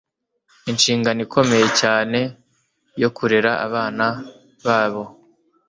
inshingano ikomeye cyane yo kurera abana babo